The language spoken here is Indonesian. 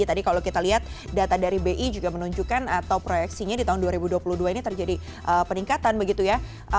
tadi kalau kita lihat data dari bi juga menunjukkan atau proyeksinya di tahun dua ribu dua puluh dua ini terjadi peningkatan begitu ya